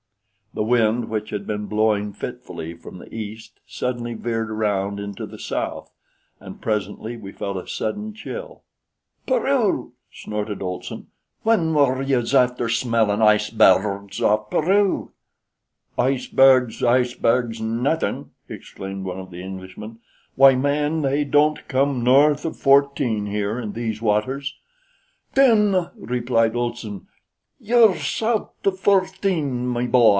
The wind, which had been blowing fitfully from the east, suddenly veered around into the south, and presently we felt a sudden chill. "Peru!" snorted Olson. "When were yez after smellin' iceber rgs off Peru?" Icebergs! "Icebergs, nothin'!" exclaimed one of the Englishmen. "Why, man, they don't come north of fourteen here in these waters." "Then," replied Olson, "ye're sout' of fourteen, me b'y."